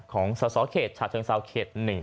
ของสาธารณ์สาวเขต๑